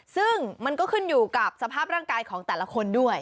ซึ่งมันก็ขึ้นอยู่กับสภาพร่างกายของแต่ละคนด้วย